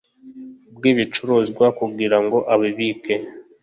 bw ibicuruzwa kugira ngo abibike